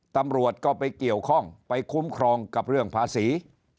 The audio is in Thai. ตำรวจก็ไปเกี่ยวข้องไปคุ้มครองกับเรื่องภาษี